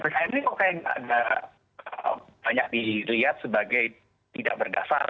saya pikir banyak yang dilihat sebagai tidak berdasar